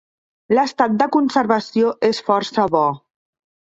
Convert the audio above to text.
L'estat de conservació és força bo.